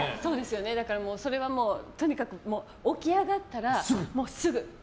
それはとにかく起き上ったらすぐ。